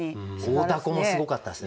大凧もすごかったですね。